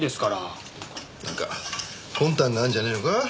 なんか魂胆があるんじゃねえのか？